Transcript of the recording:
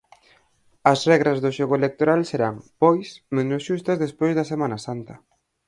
As regras do xogo electoral serán, pois, menos xustas despois da Semana Santa.